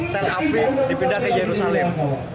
tel afri dipindah ke yerusalem